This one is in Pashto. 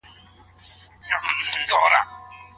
ايا شيطان خلګ په قتل اخته کوي؟